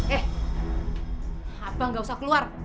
eh abang nggak usah keluar